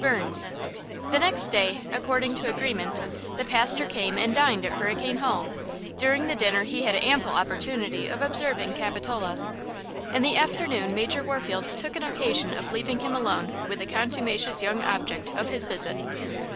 –BURNS. THE next day, according to agreement, the pastor came and dined at Hurricane Hall. During the dinner he had ample opportunity of observing Capitola. In the afternoon Major Warfield took an occasion of leaving him alone with the contumacious young object of his visit.